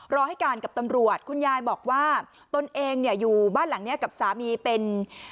รอให้การกับตำรวจคุณยายบอกว่าตนเองเนี่ยอยู่บ้านหลังนี้กับสามีเป็น